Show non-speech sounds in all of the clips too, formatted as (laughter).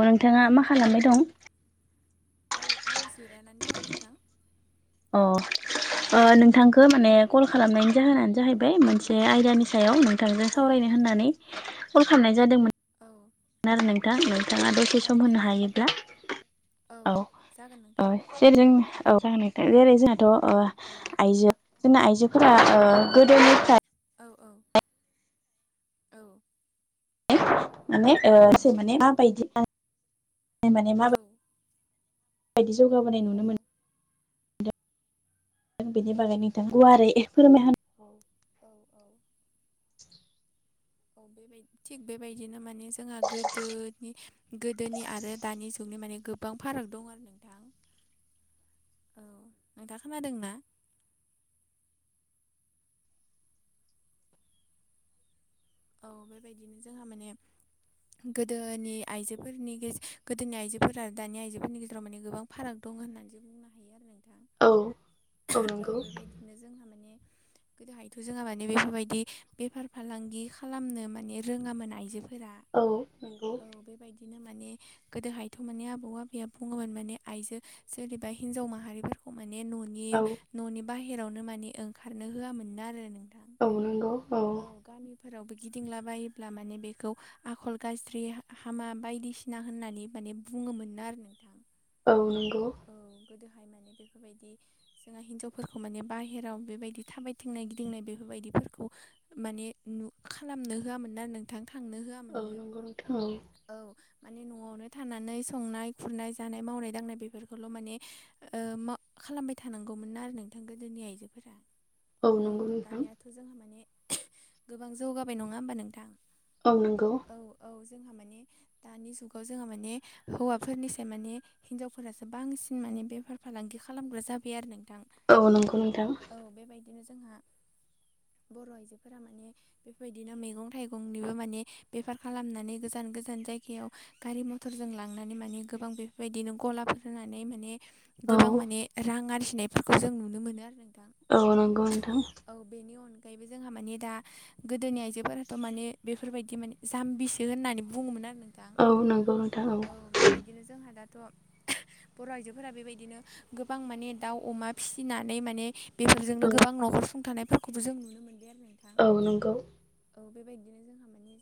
औ नोंथाङा मा औ खालामनाय दं? औ आं जिरायनानै दङ नोंथां। औ अ नोंथांखौ माने कल खालामनायनि जाहोनानो जाहैबाय मोन -से औ आयदानि सायाव नोंथांजों औ सावरायनो होननानै कल खालायनाय जादोंमोन। औ ना आरो नोंथां नोंथाङा दसे औ सम होनो नंगौ हायोब्ला औ जागोन नोंथां औ जेरै जों औ जेरै जोंहाथ' ओ- औ। आइजो जोंना आइजोफोरा ओ गोदोनिफ्राय औ औ औ माने ओ औ सोर माने माबायदि माने माबायदि? बायदि जौगाबोनाय नुनो मोनो बेनि औ बागै नोंथां गुवारै ए फोरमायहा औ औ औ बेबाय थिग बेबायदिनो माने जोंहा गोदोनि गोदोनि आरो दानि जुगनि माने गोबां फाराग दं आरो नोंथां औ नों दा खोनादोंना? औ बेबायदिनो जोंहा माने- गोदोनि आइजोफोरनि गेजे गोदोनि आइजोफोरा दानि आइजोफोरनि गेजेराव माने गोबां फाराग दं होननानैसो बुंनो हायो आरो नोंथां औ औ बेबायदिनो जोंहा माने गो दहायथ' जोंहा माने बेफोरबायदि बेफार फालांगि खालामनो माने रोङामोन आइजोफोरा औ नंगौ औ बेबायदिनो माने गोदोहायथ' माने आबौ आबैया बुङोमोन माने आइजो सोरनिबा हिनजाव माहारिफोरखौ माने नु नि औ न'नि बाहेरावनो माने ओंखारनो होआमोननो आरो नोंथां औ नांगौ औ गामिफोरावबो गिदिंला बायोब्ला माने बेखौ आखल गाज्रि हामा बायदिसिना होननानै माने बुङोमोनो आरो नोंथां। औ नंगौ। औ गोदोहाय माने बेफोरबायदि जोंहा हिन्जावफोरखौ माने बाहेराव बेबायदि थाबायथिंनाय गिदिंनाय बेफोरबायदिफोरखौ माने नु खालामनो होआमोनो नोंथां थांनो होआ औ नंगौ नोंथां औ औ माने न'आवनो थानानै संनाय खुरनाय जानाय मावनाय दांनाय बेफोरखौल' माने - ओ मा खालामबाय थानांगौमोन आरो नोंथां गोदोनि आइजोफोरा औ दानियाथ' जोंहा माने गोबां जौगाबाय नङा होमबा नोंथां? औ नंगौ। औ औ जोंहा माने दानि जुगाव जोंहा माने हौवाफोरनिसाय माने- हिनजावफोरासो बांसिन माने बेफार फालांगि खालामग्रा जाबाय आरो नोंथां औ नंगौ नोंथां औ बेबायदिनो जोंहा बर' आइजोफोरा माने बेफोरबायदिनो मैगं थाइगंनिबो माने बेफार खालामनानै गोजान गोजा गोजान जायगायाव गारि मथरजों लांनानै माने गोबां बेफोरबायदिनो गलाफोर होनानै माने- औ गोबां माने रां आरजिनायफोरखौ जों नुनो मोनो आरो नोंथां औ नंगौ नोंथां। औ बेनि अनगायैबो जोंहा माने दा गोदोनि आइजोफोराथ' माने बेफोरबायदि माने जाम्बिसो होननानै बुङोमोन आरो नोंथां औ नंगौ नोंथां औ बेबायदिनो जोंहा दाथ' बर' आइजोफोरा बेबायदिनो गोबां माने दाउ अमा फिसिनानै माने बेफोरजोंनो गोबां न'खर सुंथानायफोरखौबो जों नुनो मोनदों आरो नोंथां। औ नंगौ औ बेबायदिनो जोंहा माने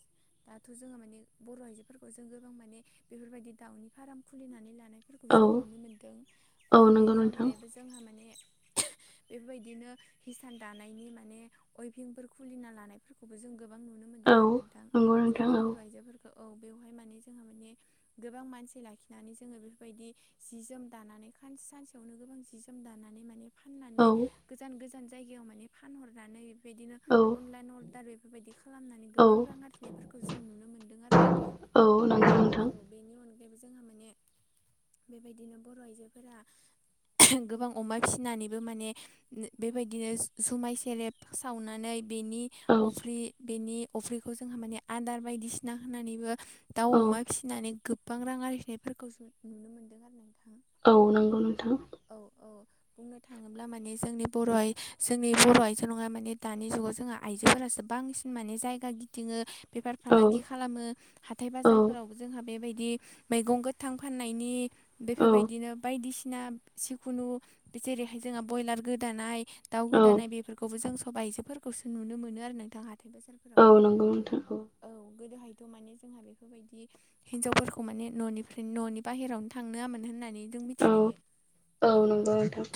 दाथ' जोंहा माने बर' आइजोफोरखौ जों गोबां माने बेफोरबायदि दाउनि फार्म खुलिनानै लानाय फोरखौ औ जों नुनो मोनदों औ नंगौ बेनि नोंथां अनगायैबो जोंहा माने बेबायदिनो हिसान दानायनि माने अइभिंफोर खुलिना लानायफोरखौबो जों गोबां नुनो मोन्दों औ आरो नोंथां नंगौ नोंथां जोंनि बर' आइजोफोर औ बेवहाय माने जोंहा माने गोबां मानसि लाखिनानै जोंङो बेफोरबायदि जि जोम दानानै सानसेयावनो गोबां जि जोम दानानै माने फाननानै औ गोजान गोजान जायगायाव माने फानहरनानै बेबायदिनो औ अनलाइन अर दार बेफोरबायदि खालामनानै औ गोबां रां आरजिनायफोरखौ जों नुनो मोनदों आरो। नोंथां औ नंगौ औ नोंथां बेनि अन बेबो जोंहा माने बेबायदिनो बर' आइजोफोरा गोबां अमा फिसिनानैबो माने बेबायदिनो जुमाय सेरेब सावनानै बेनि औ अफरि बेनि अफ्रिखौ जोंहा माने आदार बायदिसिना होनानैबो दाउ औ अमा फिसि फिनानै गोबां रां आरजिनायफोरखौ जों नुनो मोनदों आरो नोंथाङा। औ नंगौ नोंथां औ औ बुंनो थाङोब्ला माने जोंनि बर' आइ जोंनि बर' आइजो नङा माने दानि जुगाव जोंहा आइजोफोरासो बांसिन माने जायगा गिदिङो बेफार औ फालांगि खालामो हाथाय औ बाजारफोरावबो जोंहा बेबायदि मैगं गोथां फाननायनि औ बेफोरबायदिनो बायदिसिना जिखुनु जेरैहाय जोंहा बयलार गोदानाय दाउ गोदानाय बेफोर खौबो जों सब आइजोफोरखौसो नुनो मोनो आरो नोंथां हाथाय बाजारफोराव। औ नांगौ नोंथां औ औ गोदोहायथ' माने जोंहा बेखौ बेफोरबायदि हिनजावफोरखौ माने न'निफ्राय न'नि बाहेरायावनो थांनोङामोन होननानै जों औ मिथिखायो औ नंगौ नोंथां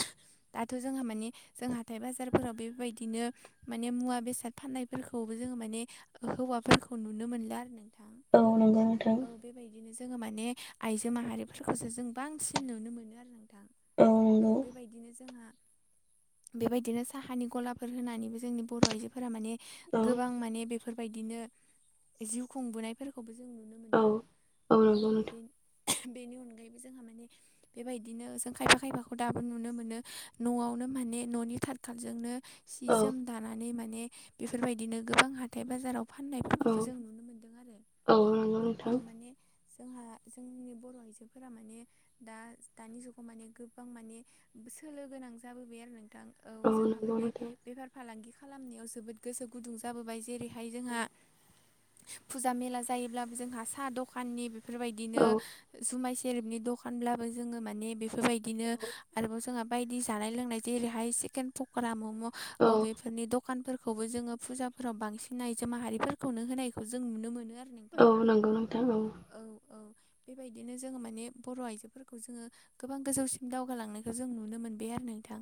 दाथ' जोंहा माने जों हाथाइ बाजारफोराव बेबायदिनो माने मुवा बेसाद फाननायफोरखौबो जोंङो माने हौवाफोरखौ नुनो मोनला आरो नोंथां। औ नंगौ नोंथां औ बेबायदिनो जोंङो माने आइजो माहारिफोरखौसो जों बांसिन नुनो मोनो आरो नोंथां। औ बेबायदिनो जोंहा बेबायदिनो साहानि गलाफोर होनानैबो जोंनि बर' आइजोफोरा माने गोबां माने बे बेफोरबायदिनो जिउ खुंबोनायफोरखौबो जों नुनो औ मोनदों औ नंगौ नोंथां बे बेनि अनगायैबो जोंहा माने बेबायदिनो जों खायफा खायफाखौ दाबो नुनो मोनो न'आवनो माने न'नि थाथखालजोंनो सि औ जोम दानानै माने बेफोरबायदिनो गोबां हाथाय बाजाराव फाननायफोरखौबो औ जों नुनो मोनदों आरो औ नंगौ औ नोंथां माने जोंहा जोंनि बर' आइजोफोरा माने दा दानि जुगाव माने गोबां माने सोलो गोनां जाबोबाय आरो नोंथां औ जोंहा नंगौ माने नोंथां बेफार फालांगि खालामनायाव जोबोद गोसो गुदुं जाबोबाय जेरैहाय जोंहा फुजा मेला जायोब्लाबो जोंहा साहा दखाननि बेफोरबायदिनो औ जुमाय सेरेबनि दखानब्लाबो जोंङो माने बेफोरबाय दिनो आरोबाव जोंहा बायदि जानाय लोंनाय जेरैहाय चिकेन पकरा मम' औ बेफोरनि द खानफोरखौबो जोंङो फुजाफोराव बांसिन आइजो माहारिफोरखौनो होनायखौ जों नुनो मोनो आरो। नोंथां औ नंगौ नोंथां औ औ औ बेबायदिनो जोंङो माने बर' आइजोफोरखौ जोंङो गोबां गोजौसिन दावगालांनायखौ जों नुनो मोनबाय आरो नोंथां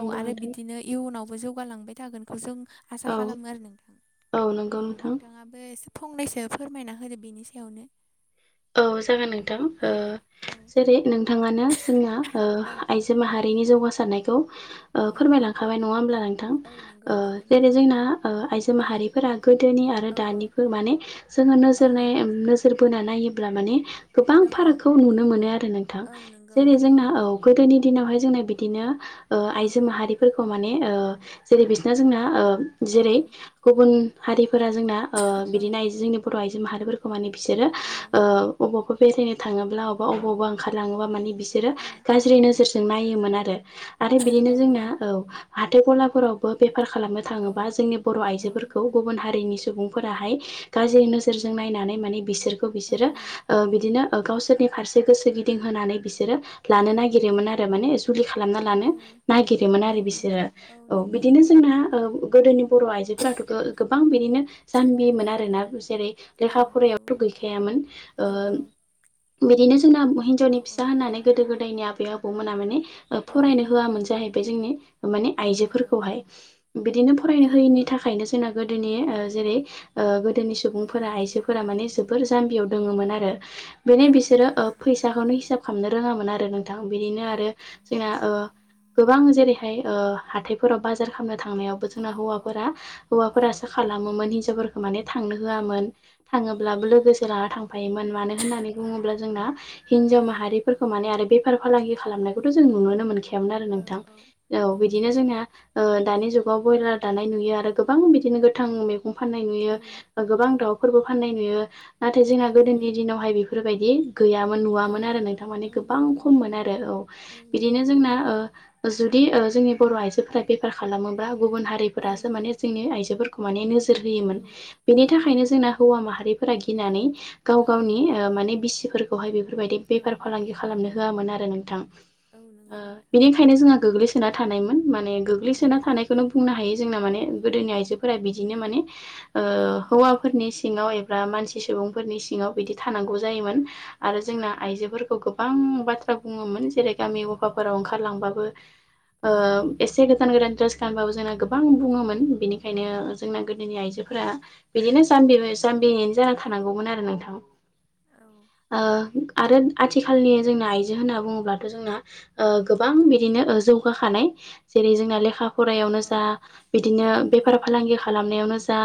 औ आरो नोंथां बिदिनो इयुनावबो जौगालांबाय थागोनखौ जों‌ आसा औ खालामो आरो नोंथां नंगौ औ नोंथां नोंथाङाबो फंनैसो फोरमायना होदो बेनि सायावनो औ जागोन नोंथां औ औ जेरै नोंथाङानो जोंना औ आइजो माहारिनि जौगासारनायखौ औ औ फोरमायलांखाबाय नङा होमब्ला नोंथां औ नंगौ नंगौ जेरै नोंथां जोंना आइजो माहारि फोरा गोदोनि आरो औ दा औ माने जोङो नो औ औ नोजोर बोना नायोबा ब्ला माने गोबां औ औ फारागखौ नुनो मोनो आरो नोंथां औ नंगौ जेरै नंगौ जोंना औ गोदोनि दिनावहाय जोंना बिदिनो औ आइजो माहारि फोरखौ माने जेरै बिसना जोंना औ जेरै गुबुन हारिफोरा जोंना औ बिदिनो आइजो जोंनि बर' आइजो माहारिफोरखौ माने बिसोरो औ अबावबा बेरायनो थाङोब्ला अबाबावबा ओंखारलाङोबा माने बिसोरो औ गाज्रि नोजोर नायोन आरो आरो बिदिनो औ जोंना नंगौ औ हाथथाय गलाफोरावबो बेफार खालामनो औ थाङोबा जोंनि बर' औ आइजोफोरखौ गुबुन हारिनि सुबुंफोराहाय औ गाज्रि नोजोर जों नायनानै माने बिसोरखौ बिसोरो बिदिनो गावसोरनि फारसे गोसो गिदिं होनानै बिसोर बिसोरो औ लानो नागिरो आरो माने खालामना लानो नागिरोमोन औ आरो बिसोरो नंगौ औ नंगौ बिदिनो जोंना गोदोनि बर आइजो फोरथ' गोबां बिदिनो औ जाम्बिमोन आरोना जेरै लेखा औ फरायाबथ' गैखायामोन ओ औ बिदिनो जोंना हिन्जावनि औ फिसा होननानै गोदो गोदायनि आबै आबौमोना माने फरायनो होआममोन जाहैबाय जोंनि औ माने नंगौ आइजोफोरखौहाय बिदिनो फरायनो औ होयिनि थाखायनो जोंना गोदोनि जेरै गोदोनि सुबुंफोरा आइजोफोरा माने जोबोर जाम्बियाव रोङोमोन आरो बेनि औ बिसोरो नंगौ नोंथां फैसाखौनो हिसाब खालामनो रोङामोन आरो नों नोंथां बिदिनो आरो औ जोंना ओ गोबां जेरैहाय हाथायफोराव बाजार खालामनो थांनायावबो जोंना औ औ हौवाफोरा औ हौवाफोरा सा खालामोमोन हिनजावफोरखौ माने थांनो होयामोन औ थाङोब्लाबो नंगौ लोगोसे लाना थांफायोमोन मानो होननानै बुङोब्ला औ जोंना हिनजाव औ माहफोरखौ माने आरो बे बेफार फालांगि खालामनायखौथ' जों नुोनो मोनखायामोन आरो औ नोंथां औ औ बिदिनो जोंना दानि जुगाव ब्रयलार दानाय नुयो आरो गोबां बिदिनो गोथां मैं फाननाय औ नुयो औ गोबां दाउफोरबो फाननाय नुयो नाथाय औ जोंना नंगौ गोदोनि दिनावहाय बे बेफोरबायदि गैयामोन औ नुवामोन आरो नोंथां माने औ गोबां नंगौ खममोन आरो औ बिदिनो जोंना जुदि जोंनि बर' आइजोफोरा बेफार खालामोब्ला गुबुन औ हारिफोरासो माने जोंनि आइजोफोरखौ माने नोजोर औ होयोमोन औ बेनि थाखायनो नंगौ जोंना हौवा माहारिफोरा गिनानै गाव औ गावनि माने बिसिफोरखौहाय बेफोरबायदि औ बेफार फालांगि खालामनो होआमोन आरो नोंथां औ नंगौ नोंथां बेनिखायनो जोंहा गोग्लैसोना थानायमोन माने औ गोग्लैसोना थानायखौनो बुंनो हायो जोंना माने गोदोनि आइजोफोरा बिदिनो माने औ हौवा फोरनि सिङाव एबा मानसि सुबुंफोरनि सिङाव बिदि थानांगौ जायोमोन आरो औ जोंना नंगौ आइजो नोंथां खौ गोबां बाथ्रा बुङोमोन जेरै गामि गफाफोराव ओंखारलांबाबो ओ एसे गोजान (unintelligible) दामबाबो जोंना गोबां बुङोमोन बेनिखायनो जोंना गोदोनि आइजोफोरा बिदिनो जामबि जाम्बियैनो जानानै थानांगौमोन आरो नोंथां ओ औ आरो आथिखालनि जोंना आइजो होनना बुङोब्लाथ' जोंना गोबां बिदिनो जौगाखानाय जेरै जोंना लेखा औ फरायावनो जा बिदिनो औ नंगौ बेफार फालांगि खालामनायावनो जा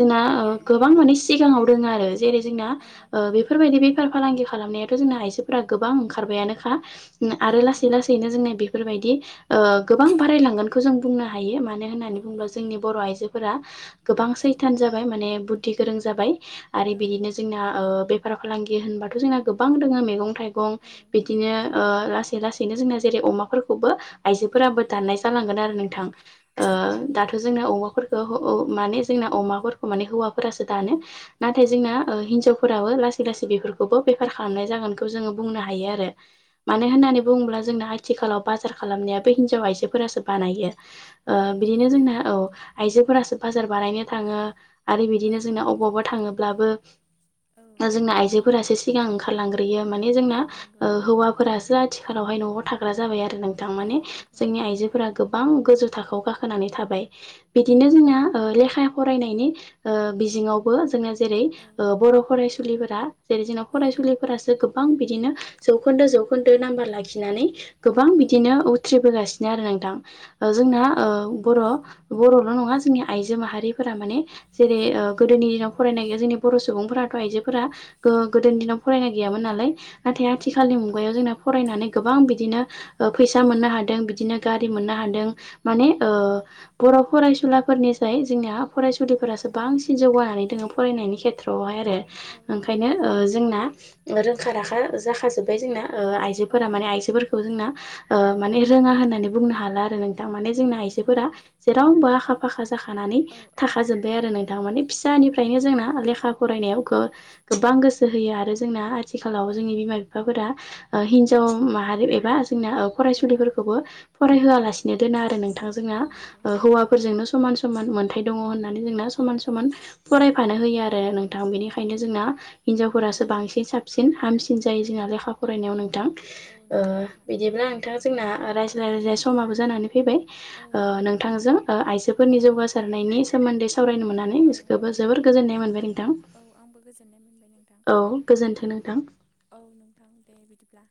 जोंना औ गोबां माने सिगाङाव दङ आरो जेरै जोंना औ औ नंगौ बेफोरबायदि बेफार फालांगि खालामनायाथ' जोंना आइजोफोरा गोबां ओंखारबायानोखा ना औ आरो लासै नंगौ औ लासैनो जोंना बेफोरबायदि ओ गोबां औ बारायलांगोनखौ जों बुंनो हायो मानो औ होननानै बुङोब्ला जोंनि बर' आइजोफोरा गोबां सैथान जाबाय माने बुद्धि गोरों जाबाय। आरो औ बिदिनो जोंना ओ बेफार फालांगि होनबाथ' जोंना गोबां दङो मैगं थाइ गं बिदिनो ओ लासै लासैनो जोंना जेरै- अमाफोरखौबो उम आइजोफोराबो औ दाननाय जालांगोन आरो नोंथां। ओ औ नंगौ दाथ' नोंथां जोंना अमाफोरखौ ओ माने जोंना अमाफोरखौ माने हौवाफोरासो औ दानो। नाथाय औ जोंना नंगौ ओ हिनजाव फोराबो लासै लासै बेफोरखौबो बेफार खालामनाय जागोनखौ जोङो बुंनो हायो आरो। औ मानो होननानै नंगौ बुङोब्ला जोंना आथिखालाव बाजार खालामनायाबो हिनजाव आइजोफोरासो बानायो ओ औ नंगौ बिदिनो जोंना औ आइजोफोरासो बाजार बानायनो थाङो आरो औ बिदिनो जोंना अबावबा थाङोब्लाबो औ जोंना आइजोफोरासो सिगां ओंखारलांग्रोयो माने जोंना औ नंगौ ओ हौवाफोरासो आ थिखालावहाय न'आव थाग्रा जाबाय आरो नोंथां औ माने नंगौ जोंनि नोंथां आइजोफोरा गोबां गोजौ थाखोआव गाखोनानै थाबाय औ बिदिनो जोंना नंगौ ओ लेखा फरायनायनि ओ बिजोङावबो जोंना जेरै- औ ओ बर' फरायसुलिफोरा जेरै- जोंना औ फरायसुलिफोरासो गोबां बिदिनो जौखोन्दो जौखोन्दो नाम्बार लाखिनानै गोबां औ बिदिनो उथ्रिबोगासिनो आरो नोंथां ओ जोंना औ बर' बर'ल' नङा जोंनि आइजो माहारिफोरा माने जेरै- ओ गोदोनि दिनाव फरायनाय गैया जोंनि बर' सुबुंफोरा फोरा आइजोफोरा गो-गोदोनि दिनाव फरायनाय गैयामोन नालाय नाथाय औ आथिखालनि मु मुगायाव जोंना फरायनानै गोबां बिदिनो फैसा मोननो हादों बिदिनो गारि औ मोननो हादों। नंगौ माने आ बर' फरायसुलाफोरनिसाय जोंनिया फरायसुलिफोरासो बांसिन जौगानानै दोङो फरायनायनि खेथ्रआवहाय आरो। औ ओंखायनो नंगौ ओ नोंथां जोंना रोंखा राखा जाखाजोब्बाय जोंना ओ आइज जो औ फोरा औ माने आइजोफोरखौ जोंना ओ माने औ रोङा होननानै बुंनो हाला आरो नोंथां माने जोंना औ आइजोफोरा नंगौ जेरावबो आखा फाखा जाखानानै औ औ नंगौ थाखाजोबबाय आरो नोंथां माने औ फिसानिफ्रायनो नंगौ जोंना नोंथां लेखा औ फरायनायाव बो गोबां गोसो होयो आरो जोंना आथिखालाव औ जोंनि बिमा बिफाफोरा ओ हिनजाव माहारि एबा जोंना औ फरायसुलिफोरखौबो फरायहोआलासिनो दोना आरो नों थां जोंना औ नंगौ ओ नंगौ नोंथां हौवाफोरजोंनो समान समान मोनथाय दङ होननानै जोंना समान औ समान फरायफानो होयो आरो नोंथां औ बेनिखायनो नंगौ जोंना औ हिनजावफोरासो बांसिन साब सिन हामसिन जायो जोंना लेखा फरायनायाव नोंथां औ ओ नंगौ नोंथां बिदिब्ला नोंथां जोंना औ रायज्लाय औ रायज्लाय समाबो जानानै फैबाय। औ ओ नंगौ नोंथांजों ओ औ आइजोफोरनि जौगासारनायनि सोमोन्दै सावरायनो मोननानै औ गोसोखौबो जोबोर गोजोन्नाय मोनबाय नोंथां। औ आंबो गोजोननाय मोनबाय नोंथां। औ गोजोन्थों नोंथां। औ नोंथां दे बिदिब्ला।